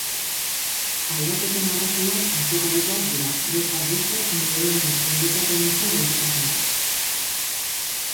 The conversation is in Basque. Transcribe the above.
Aldaketen arrazoiak askotarikoak dira, besteak beste, neuronen endekapenezko gaixotasunak.